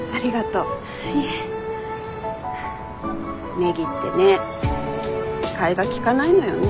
ネギってね替えが利かないのよね。